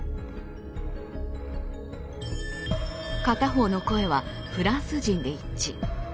片方の声はフランス人で一致。